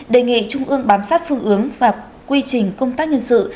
đề nghị trung ương bám sát phương ứng và quy trình công tác nhân sự